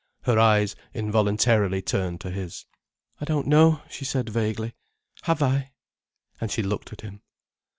Her eyes involuntarily turned to his. "I don't know," she said vaguely. "Have I—?" and she looked at him.